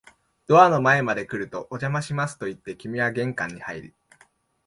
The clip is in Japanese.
ドアの前まで来ると、お邪魔しますと言って、君は玄関に入り、